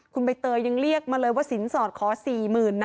คุณใบเตยยังเรียกมาเลยว่าสินสอดขอ๔๐๐๐นะ